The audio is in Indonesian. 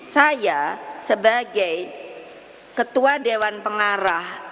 saya sebagai ketua dewan pengarah